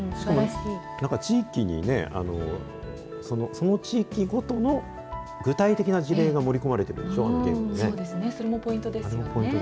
地域にね、その地域ごとの具体的な事例が盛り込まれてるんでしょ、ゲームにそれもポイントですよね。